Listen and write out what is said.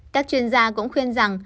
các chuyên gia cũng khuyên rằng